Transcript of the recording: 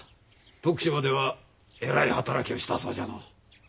徳島ではえらい働きをしたそうじゃの。